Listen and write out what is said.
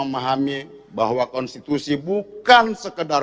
memahami bahwa konstitusi bukan sekedar